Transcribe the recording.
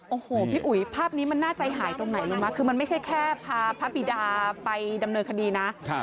โอ้โหพี่อุ๋ยภาพนี้มันน่าใจหายตรงไหนรู้ไหมคือมันไม่ใช่แค่พาพระบิดาไปดำเนินคดีนะ